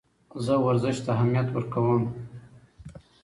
زه ورزش ته اهمیت ورکوم.